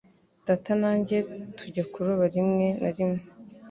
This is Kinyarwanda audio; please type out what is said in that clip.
Data na njye tujya kuroba rimwe na rimwe.